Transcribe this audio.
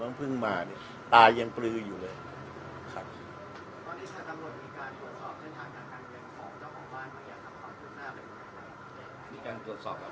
มันเพิ่มมาตายังกลืออยู่เลย